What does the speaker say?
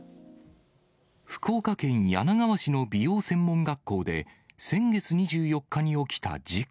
福岡県柳川市の美容専門学校で、先月２４日に起きた事故。